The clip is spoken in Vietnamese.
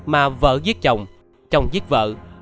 mà vợ giết chồng chồng giết vợ